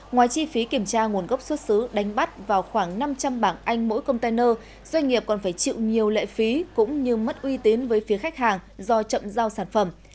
ngoài chi phí kiểm tra nguồn gốc xuất xứ đánh bắt vào khoảng năm trăm linh bảng anh mỗi container doanh nghiệp còn phải chịu nhiều lệ phí cũng như mất uy tín với phía khách hàng do chậm giao sản phẩm